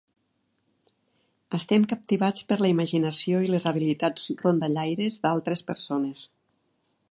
Estem captivats per la imaginació i les habilitats rondallaires d'altres persones.